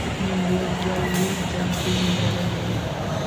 نیمروز دوه لوی ځانګړنې لرلې.